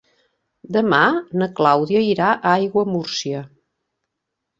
Demà na Clàudia irà a Aiguamúrcia.